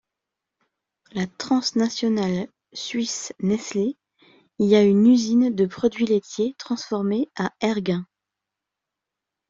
La transnationale suisse Nestlé, y a une usine de produits laitiers transformés à Ergun.